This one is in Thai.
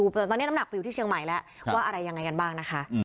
เป็นเรื่องที่ไม่สามารถ